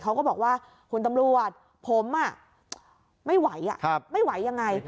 เขาก็บอกว่าคุณตำรวจผมไม่ไหวไม่ไหวยังไง